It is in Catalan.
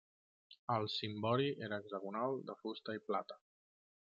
El cimbori era hexagonal, de fusta i plata.